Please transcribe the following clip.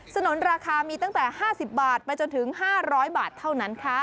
นุนราคามีตั้งแต่๕๐บาทไปจนถึง๕๐๐บาทเท่านั้นค่ะ